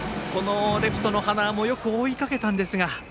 レフトの塙もよく追いかけたんですが。